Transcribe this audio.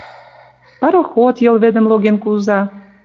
Пароход Йыл вӹдӹм логен куза